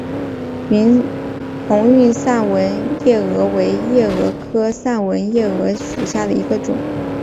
红晕散纹夜蛾为夜蛾科散纹夜蛾属下的一个种。